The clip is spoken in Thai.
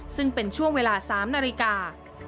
ซึ่งเป็นช่วงเวลา๓นาฬิกา